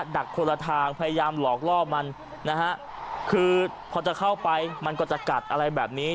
ดักคนละทางพยายามหลอกล่อมันนะฮะคือพอจะเข้าไปมันก็จะกัดอะไรแบบนี้